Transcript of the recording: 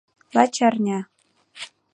Лач арня.